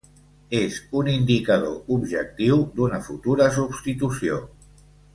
És un indicador objectiu d'una futura substitució.